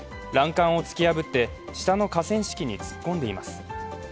欄干を突き破って下の河川敷に突っ込んでいます。